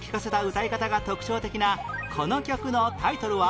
歌い方が特徴的なこの曲のタイトルは？